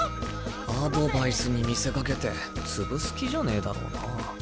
アドバイスに見せかけて潰す気じゃねぇだろうな。